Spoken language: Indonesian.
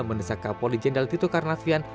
mendesak kapolri jenderal tito karnavian